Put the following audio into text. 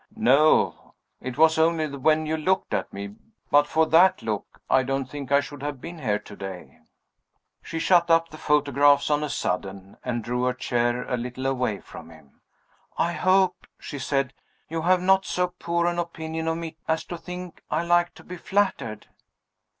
"No. It was only when you looked at me. But for that look, I don't think I should have been here to day." She shut up the photographs on a sudden, and drew her chair a little away from him. "I hope," she said, "you have not so poor an opinion of me as to think I like to be flattered?"